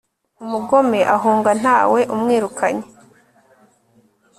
umugome ahunga nta we umwirukanye